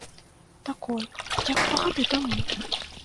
Такой, як два гады таму?